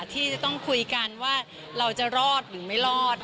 ที่จะต้องคุยกันว่าเราจะรอดหรือไม่รอด